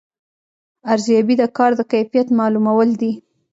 ارزیابي د کار د کیفیت معلومول دي